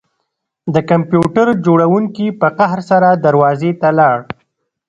د کمپیوټر جوړونکي په قهر سره دروازې ته لاړ